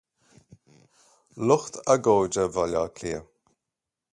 Lucht agóide Bhaile Átha Cliath